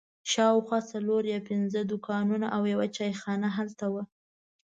شاوخوا څلور یا پنځه دوکانونه او یوه چای خانه هلته وه.